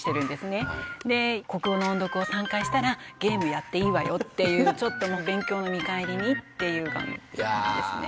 国語の音読を３回したらゲームやっていいわよっていうちょっともう勉強の見返りにっていう感じですね。